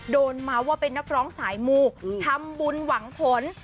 เมาส์ว่าเป็นนักร้องสายมูทำบุญหวังผล